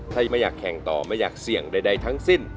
ถ้าไม่อยากแข่งต่อไม่อยากเสี่ยงใดทั้งสิ้น